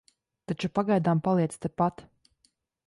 Taču pagaidām paliec tepat.